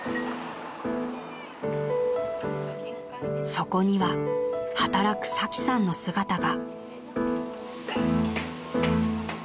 ［そこには働くサキさんの姿が］